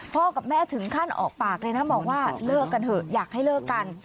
กับแม่ถึงขั้นออกปากเลยนะบอกว่าเลิกกันเถอะอยากให้เลิกกัน